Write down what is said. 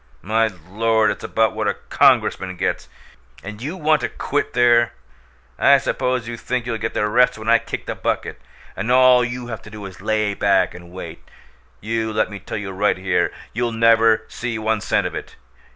"My Lord! It's about what a Congressman gets, and you want to quit there! I suppose you think you'll get the rest when I kick the bucket, and all you have to do is lay back and wait! You let me tell you right here, you'll never see one cent of it.